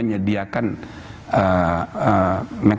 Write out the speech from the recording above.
untuk membuat hal yang lebih baik